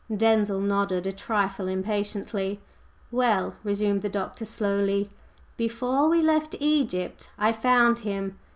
Denzil nodded, a trifle impatiently. "Well," resumed the Doctor slowly, "Before we left Egypt I found him!